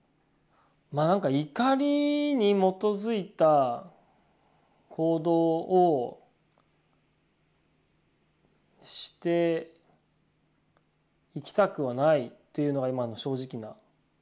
まあなんか怒りに基づいた行動をしていきたくはないというのが今の正直な感想ですね。